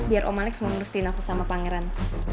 biar om alex mau merestina aku sama pangeran